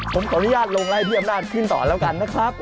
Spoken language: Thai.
ผมขออนุญาตลงไล่พี่อำนาจขึ้นต่อแล้วกันนะครับ